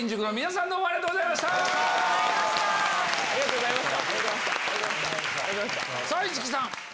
さぁ市來さん。